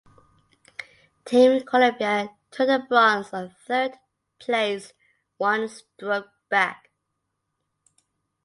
Team Colombia took the bronze on third place one stroke back.